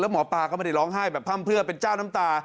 หมอปลาก็ไม่ได้ร้องไห้แบบพร่ำเพื่อเป็นเจ้าน้ำตา